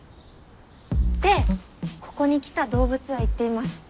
ってここに来た動物は言っています。